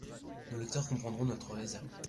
Nos lecteurs comprendront notre réserve.